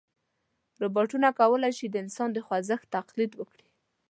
روبوټونه کولی شي د انسان د خوځښت تقلید وکړي.